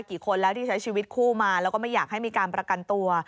กี่คนแล้วที่ใช้ชีวิตคู่มาแล้วก็ไม่อยากให้มีการประกันตัว